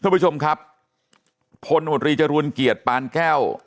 เพื่อนผู้ชมครับพลอดรีจรวรรณเกียรติปานแก้ว